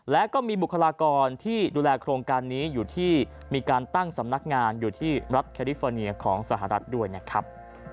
และก็มีบุคลากรที่ดูแลโครงการนี้อยู่ที่มีการตั้งสำนักงานอยู่ที่รัฐแคลิฟอร์เนียของสหรัฐด้วยนะครับ